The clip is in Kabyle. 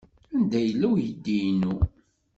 Anda yella uydi-inu?